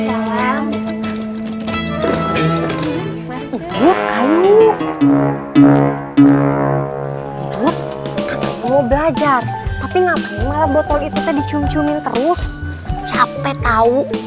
ibu kamu mau belajar tapi ngapain malah botol itu dicium ciumin terus capek tau